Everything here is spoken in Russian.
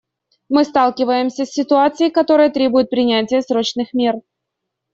Мы сталкиваемся с ситуацией, которая требует принятия срочных мер.